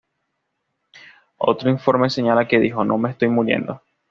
Otro informe señala que dijo ""No me estoy muriendo!